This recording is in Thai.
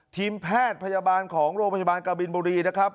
ทีมแพทย์พยาบาลของโรงพยาบาลกบินบุรีนะครับ